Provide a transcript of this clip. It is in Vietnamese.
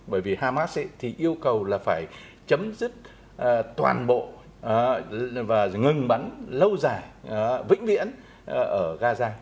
bởi vì hamas thì yêu cầu là phải chấm dứt toàn bộ và ngừng bắn lâu dài vĩnh viễn ở gaza